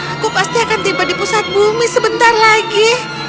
aku pasti akan tiba di pusat bumi sebentar lagi